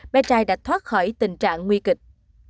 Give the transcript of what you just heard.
bé trai đã thoát khỏi tình trạng nguy kịch